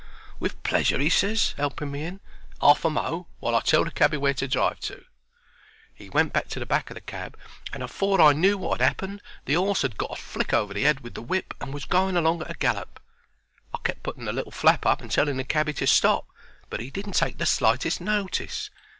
"With pleasure," he ses, 'elping me in. "'Arf a mo' while I tell the cabby where to drive to." He went to the back o' the cab, and afore I knew wot had 'appened the 'orse had got a flick over the head with the whip and was going along at a gallop. I kept putting the little flap up and telling the cabby to stop, but he didn't take the slightest notice.